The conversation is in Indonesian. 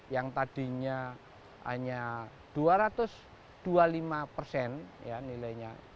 yang tadinya hanya dua ratus dua puluh lima persen nilainya